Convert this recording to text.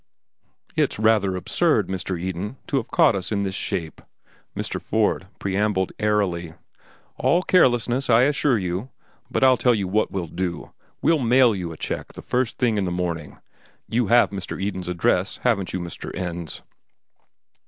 "It's rather absurd, Mr. Eden, to have caught us in this shape," Mr. Ford preambled airily. "All carelessness, I assure you. But I'll tell you what we'll do. We'll mail you a check the first thing in the morning. You have Mr. Eden's address, haven't you, Mr. Ends?"